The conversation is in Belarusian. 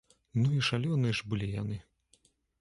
Ну і шалёныя ж былі яны!